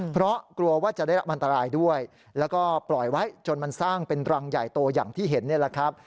เพราะกลัวว่าจะได้รับอันตรายด้วยแล้วก็ปล่อยไว้จนมันสร้างเป็นรังใหญ่โตอย่างที่เห็นนี่แหละครับ